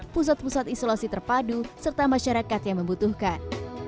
pusat pusat isolasi terpadu serta masyarakat yang membutuhkan